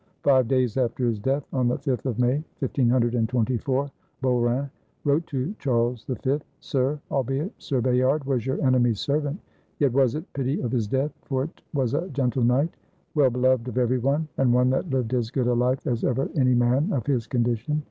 Five days after his death, on the 5th of May, 1524, Beaurain wrote to Charles V, "Sir, albeit Sir Bayard was your enemy's servant, yet was it pity of his death, for 't was a gentle knight, well beloved of every one, and one that lived as good a life as ever any man of his condition.